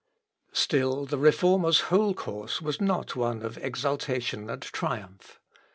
Still the Reformer's whole course was not one of exultation and triumph.